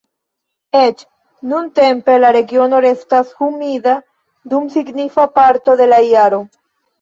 Eĉ nuntempe, la regiono restas humida dum signifa parto de la jaro.